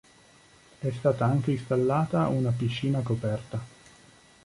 È stata anche installata una piscina coperta.